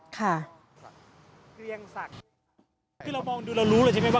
คือเรามองดูเรารู้เลยใช่ไหมว่า